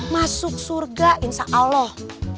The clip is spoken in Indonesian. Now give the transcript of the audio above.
masuk surga insya allah